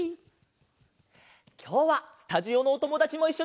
きょうはスタジオのおともだちもいっしょだよ！